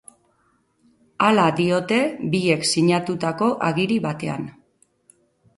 Hala diote, biek sinatutako agiri batean.